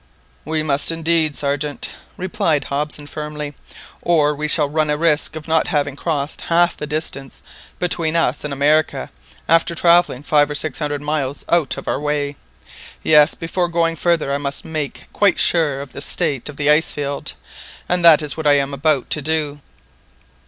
"We must indeed, Sergeant," replied Hobson firmly, "or we shall run a risk of not having crossed half the distance between us and America after travelling five or six hundred miles out of our way. Yes, before going farther, I must make quite sure of the state of the ice field, and that is what I am about to do."